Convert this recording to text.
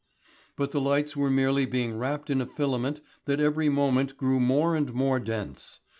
But the lights were merely being wrapped in a filament that every moment grew more and more dense.